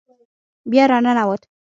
بیا را ننوت.